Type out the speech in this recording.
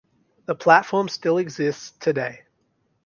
The platform still exists today.